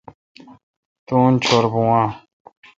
تو ان چھور بھو اؘ۔